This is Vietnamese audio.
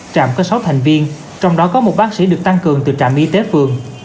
trạm có sáu thành viên trong đó có một bác sĩ được tăng cường từ trạm y tế phường